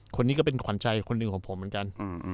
คนนี้ก็เป็นขวัญใจคนหนึ่งของผมเหมือนกัน